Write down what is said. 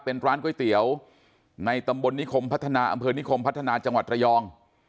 เป็นร้านก๋วยเตี๋ยวในตำบลนิคมพัฒนาอำเภอนิคมพัฒนาจังหวัดระยอง